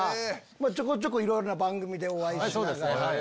ちょこちょこいろいろな番組でお会いします。